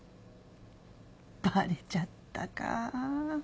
バレちゃったか。